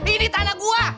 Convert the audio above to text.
ini tanah gua